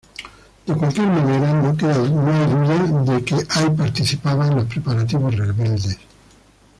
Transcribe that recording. De cualquier manera no queda duda que Ay participaba en los preparativos rebeldes.